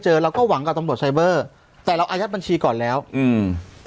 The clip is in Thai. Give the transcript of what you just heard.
เราก็หวังกับตำรวจไซเบอร์แต่เราอายัดบัญชีก่อนแล้วอืม